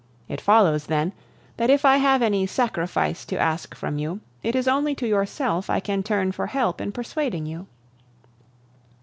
It follows, then, that if I have any sacrifice to ask from you, it is only to yourself I can turn for help in persuading you.